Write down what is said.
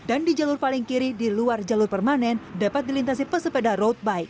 dan di jalur paling kiri di luar jalur permanen dapat dilintasi pesepeda roadbike